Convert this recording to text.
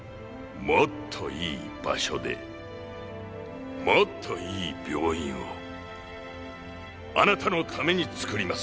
もっといい場所でもっといい病院をあなたのためにつくります。